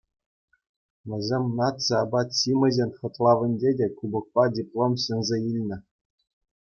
Вӗсем наци апат-ҫимӗҫӗн хӑтлавӗнече те кубокпа диплом ҫӗнсе илнӗ.